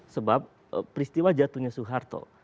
sebab peristiwa jatuhnya soeharto